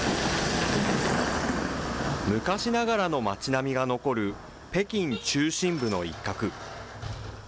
昔ながらの町並みが残る、北京中心部の一角。